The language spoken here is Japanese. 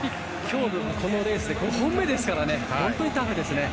このレース、５本目ですから本当にタフですね。